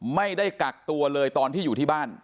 ไม่ได้กักตัวเลยตอนที่อยู่ที่บ้าน